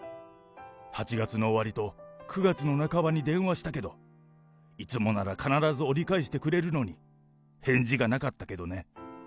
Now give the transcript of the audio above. ８月の終わりと９月の半ばに電話したけど、いつもなら必ず折り返してくれるのに、返事がなかったけどね。